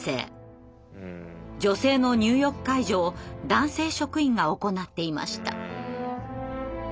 女性の入浴介助を男性職員が行っていました。